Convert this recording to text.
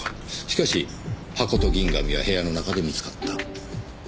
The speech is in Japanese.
しかし箱と銀紙は部屋の中で見つかった。